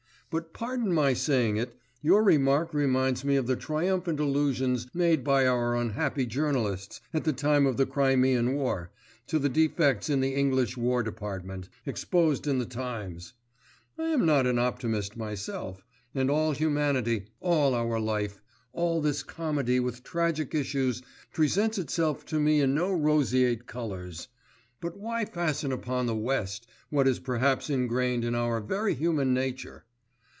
'But pardon my saying it, your remark reminds me of the triumphant allusions made by our unhappy journalists at the time of the Crimean war, to the defects in the English War Department, exposed in the Times. I am not an optimist myself, and all humanity, all our life, all this comedy with tragic issues presents itself to me in no roseate colours: but why fasten upon the West what is perhaps ingrained in our very human nature?